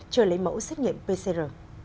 chờ lấy mẫu xét nghiệm pcr